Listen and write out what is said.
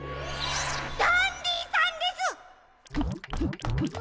ダンディさんです！